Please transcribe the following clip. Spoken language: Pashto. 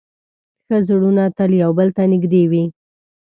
ښه زړونه تل یو بل ته نږدې وي.